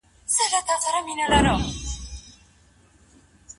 لویه جرګه د ډیموکراسۍ سره ولي پرتله کېږي؟